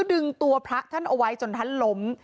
ดึงตัวพระท่านเอาไว้จนท่านล้ม